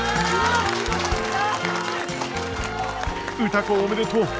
歌子おめでとう！